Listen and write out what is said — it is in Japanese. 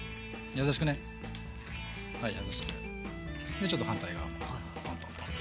でちょっと反対側もトントントンと。